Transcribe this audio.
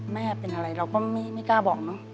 แม่เป็นอะไรเราก็ไม่กล้าบอกเนอะ